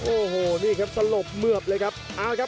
โอ้โหนี่ครับสลบเหมือบเลยครับ